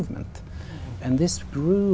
để phát triển